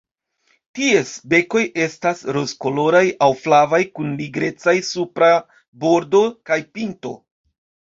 Ties bekoj estas rozkoloraj aŭ flavaj kun nigrecaj supra bordo kaj pinto.